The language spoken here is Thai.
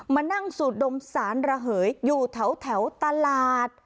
มานั่งสูดดมสารระเหยอยู่แถวตลาด